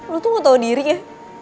lo tuh gak tau diri ya